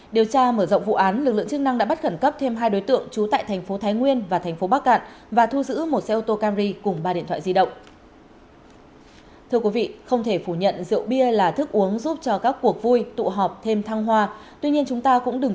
điều tra mở rộng vụ án lực lượng chức năng đã bắt khẩn cấp thêm hai đối tượng trú tại thành phố thái nguyên và thành phố bắc cạn và thu giữ một xe ô tô camri cùng ba điện thoại di động